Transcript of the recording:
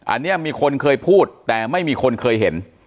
อันนี้มีคนเคยพูดแต่ไม่มีคนเคยเห็น